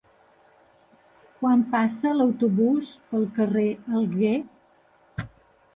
Quan passa l'autobús pel carrer Alguer?